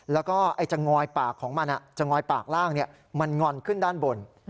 แล้วก็จะงอยปากของมันจะงอยปากล่างมันงอนขึ้นด้านบน